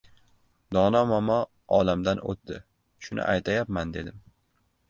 — Dono momo olamdan o‘tdi, shuni aytayapman,— dedim.